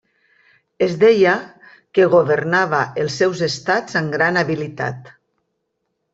Es deia que governava els seus estats amb gran habilitat.